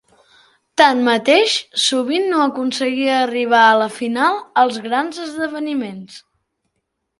Tanmateix, sovint no aconseguia arribar a la final als grans esdeveniments.